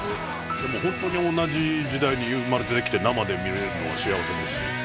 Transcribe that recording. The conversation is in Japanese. でも本当に同じ時代に生まれてきて生で見れるのは幸せですし。